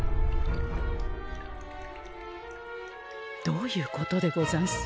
どういうことでござんす？